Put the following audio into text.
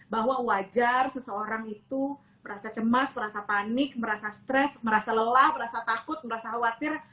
bahwa wajar seseorang itu merasa cemas merasa panik merasa stres merasa lelah merasa takut merasa khawatir